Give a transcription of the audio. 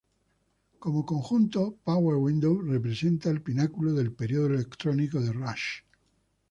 Como conjunto, Power Windows representa el pináculo del período "electrónico" de Rush.